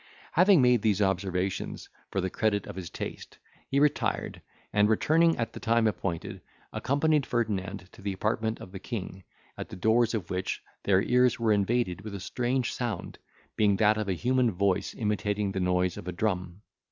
Having made these observations, for the credit of his taste, he retired, and returning at the time appointed, accompanied Ferdinand to the apartment of the king, at the doors of which their ears were invaded with a strange sound, being that of a human voice imitating the noise of a drum.